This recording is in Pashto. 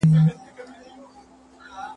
بې عقل دونه په بل نه کوي، لکه په ځان.